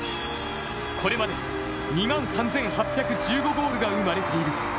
これまで２万３８１５ゴールが生まれている。